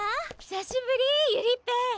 久しぶりゆりっぺ！